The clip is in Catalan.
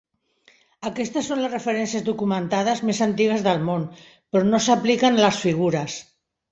Aquestes són les referències documentades més antigues del nom, però no s'apliquen a les figures.